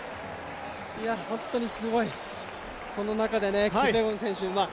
本当にすごい、その中でキプイエゴン選手